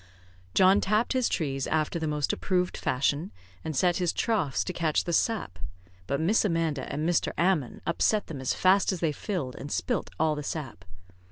John tapped his trees after the most approved fashion, and set his troughts to catch the sap; but Miss Amanda and Master Ammon upset them as fast as they filled, and spilt all the sap.